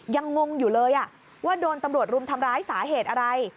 งงอยู่เลยว่าโดนตำรวจรุมทำร้ายสาเหตุอะไร